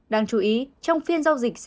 đáng chú ý trong phiên giao dịch